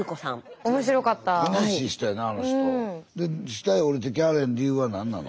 下へおりて来はれへん理由は何なの？